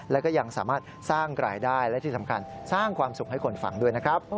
แล้วก็ยังสามารถสร้างรายได้และที่สำคัญสร้างความสุขให้คนฟังด้วยนะครับ